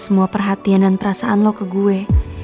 semua perhatian dan perasaan lo ke gue